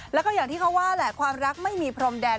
แล้วก็อย่างที่เขาว่าแหละความรักไม่มีพรมแดน